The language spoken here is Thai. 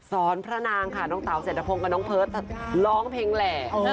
พระนางค่ะน้องเต๋าเศรษฐพงศ์กับน้องเพิร์ตร้องเพลงแหล่